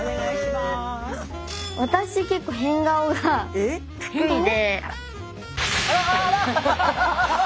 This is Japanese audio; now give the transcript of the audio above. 私結構変顔が得意で。